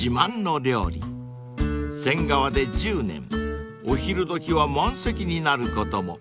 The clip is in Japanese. ［仙川で１０年お昼どきは満席になることも］